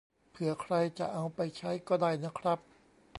เผื่อใครจะเอาไปใช้ก็ได้นะครับ